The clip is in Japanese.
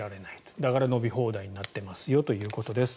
だから伸び放題になってますよということです。